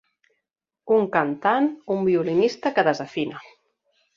Un cantant, un violinista, que desafina.